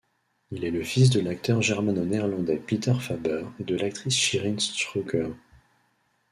Il est le fils de l'acteur germano-néerlandais Peter Faber et de l'actrice Shireen Strooker.